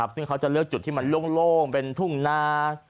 ซึ่งเขาจะเลือกจุดที่มันโล่งเป็นทุ่งนา